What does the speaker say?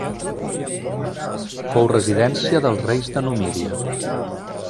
Fou residència dels reis de Numídia.